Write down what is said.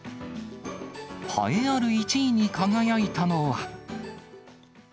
栄えある１位に輝いたのは。